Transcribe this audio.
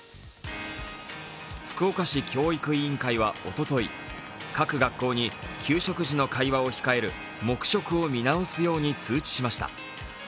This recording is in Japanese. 福岡市教育委員会はおととい、各学校に給食時の会話を控える黙食を見直すように通知しました。